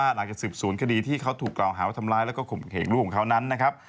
หลังจากสืบสวนคดีที่เขาถูกกล่าวหาว่าทำร้ายแล้วก็ข่มเข่งลูกของเขานั้นนะครับ